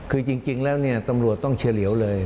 คือจริงแล้วเนี่ยตำรวจต้องเฉลียวเลย